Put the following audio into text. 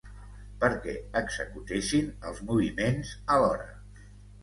perquè executessin els moviments alhora